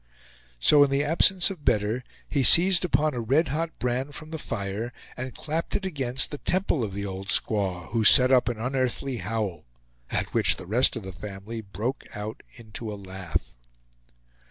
So, in the absence of better, he seized upon a red hot brand from the fire, and clapped it against the temple of the old squaw, who set up an unearthly howl, at which the rest of the family broke out into a laugh.